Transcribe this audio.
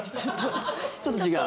ちょっと違う？